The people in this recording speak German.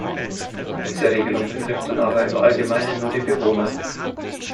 Diese Regelung betrifft dann aber im Allgemeinen nur die Bewohner.